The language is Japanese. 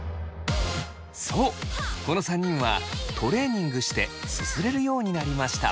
そうこの３人はトレーニングしてすすれるようになりました。